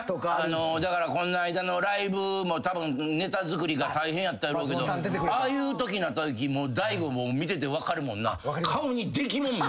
だからこの間のライブもたぶんネタ作りが大変やったやろうけどああいうときになったとき大悟見てて分かるもんな。